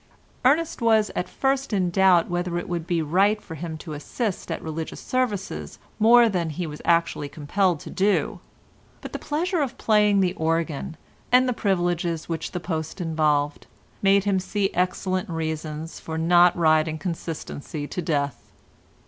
Ernest was at first in doubt whether it would be right for him to assist at religious services more than he was actually compelled to do, but the pleasure of playing the organ, and the privileges which the post involved, made him see excellent reasons for not riding consistency to death.